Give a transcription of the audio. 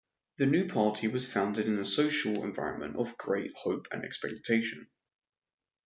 The new party was founded in a social environment of great hope and expectation.